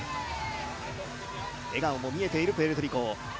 笑顔も見えているプエルトリコ。